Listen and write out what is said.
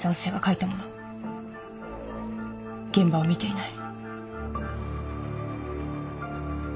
現場を見ていない。